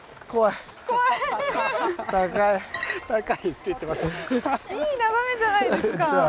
いい眺めじゃないですか。